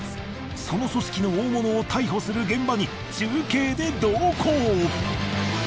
その組織の大物を逮捕する現場に中継で同行！